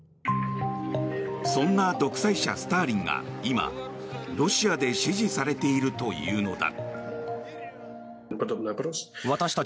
そんな独裁者・スターリンが今、ロシアで支持されているというのだ。